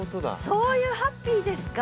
そういうハッピーですか。